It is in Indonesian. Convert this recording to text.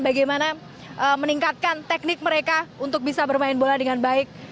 bagaimana meningkatkan teknik mereka untuk bisa bermain bola dengan baik